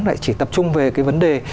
lại chỉ tập trung về cái vấn đề